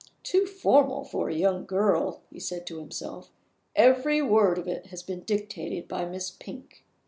"Too formal for a young girl!" he said to himself. "Every word of it has been dictated by Miss Pink."